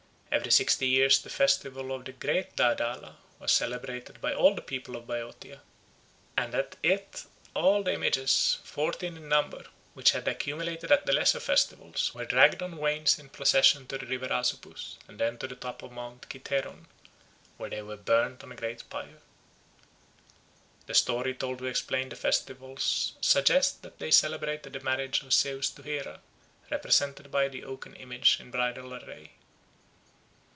Every sixty years the festival of the Great Daedala was celebrated by all the people of Boeotia; and at it all the images, fourteen in number, which had accumulated at the lesser festivals, were dragged on wains in procession to the river Asopus and then to the top of Mount Cithaeron, where they were burnt on a great pyre. The story told to explain the festivals suggests that they celebrated the marriage of Zeus to Hera, represented by the oaken image in bridal array.